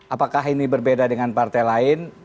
apakah ini berbeda dengan partai lain